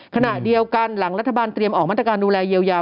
ขณะเดียวกันหลังรัฐบาลเตรียมออกมาตรการดูแลเยียวยา